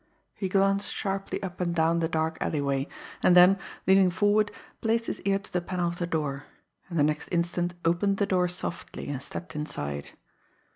He glanced sharply up and down the dark alleyway, then, leaning forward, placed his ear to the panel of the door and the next instant opened the door softly and stepped inside.